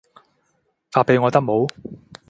發畀我得冇